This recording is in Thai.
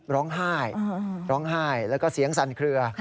ร้องไห้และเสียงสั่นเครือ